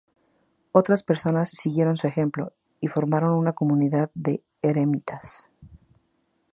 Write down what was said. Otras personas siguieron su ejemplo, y formaron una comunidad de eremitas.